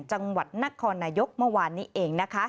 จังหวัดนครนายกเมื่อวานนี้เองนะคะ